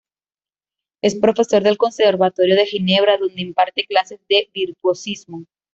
Es profesor del conservatorio de Ginebra, donde imparte clases de virtuosismo.